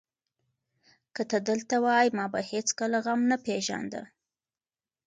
که ته دلته وای، ما به هېڅکله غم نه پېژانده.